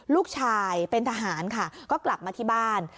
ลูกชายเป็นทหารค่ะก็กลับมาที่บ้าน